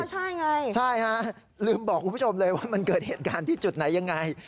ใช่ไงใช่ฮะลืมบอกคุณผู้ชมเลยว่ามันเกิดเหตุการณ์ที่จุดไหนยังไง